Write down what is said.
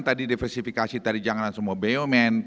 tadi diversifikasi tadi janganlah semua bom